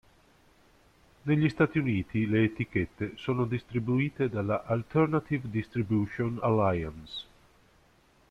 Negli Stati Uniti le etichette sono distribuite dalla Alternative Distribution Alliance.